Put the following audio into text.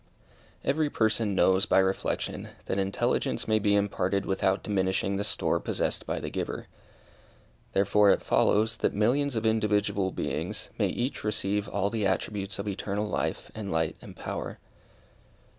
Every person knows, by reflection, that intelligence may be imparted without diminishing the store possessed by the giver. Therefore it follows, that millions of individual beings may each receive all the attributes of eternal life, and light, and power.